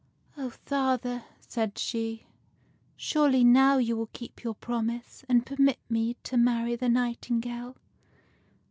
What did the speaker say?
" O father," said she, " surely now you will keep your promise, and permit me to marry the nightingale."